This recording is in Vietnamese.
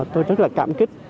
tôi rất là cảm kích